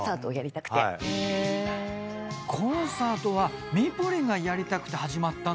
コンサートはミポリンがやりたくて始まったんですか。